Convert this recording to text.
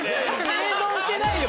生存してないよ